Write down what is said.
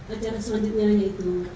acara selanjutnya yaitu